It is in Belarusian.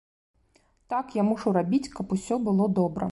Так, я мушу рабіць, каб усё было добра.